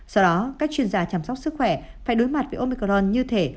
sau đó các chuyên gia chăm sóc sức khỏe phải đối mặt với omicron như thể